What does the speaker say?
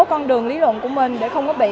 con đường lý luận của mình để không có bị